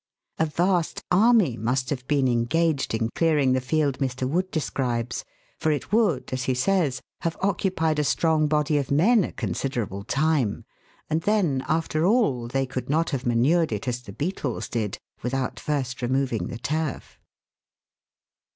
A vast army must have been engaged in clearing the field Mr. Wood describes, for it would, as he says, have occupied a strong body of men a considerable time, and then, after all, they could not have manured it as the beetles did, without first removing the turf.